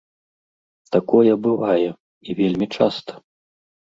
Такое бывае, і вельмі часта.